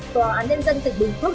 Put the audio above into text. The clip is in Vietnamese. tòa án nhân dân tỉnh bình thuốc